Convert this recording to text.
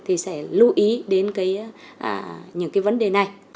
thì sẽ lưu ý đến những cái vấn đề này